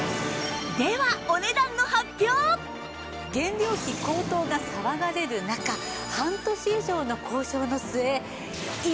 では原料費高騰が騒がれる中半年以上の交渉の末。